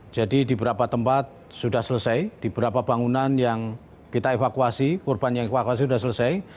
jadi di beberapa tempat sudah selesai di beberapa bangunan yang kita evakuasi korban yang kita evakuasi sudah selesai